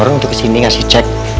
orang untuk kesini ngasih cek